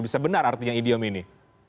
sebenar artinya idiom ini